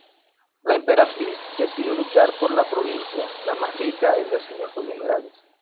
La emperatriz decidió luchar por la provincia, la más rica en yacimientos minerales.